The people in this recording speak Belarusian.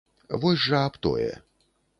Вось жа аб тое.